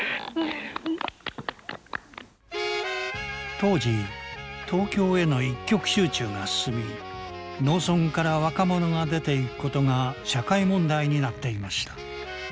当時東京への一極集中が進み農村から若者が出ていくことが社会問題になっていました。